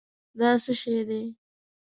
دا څه شی دی؟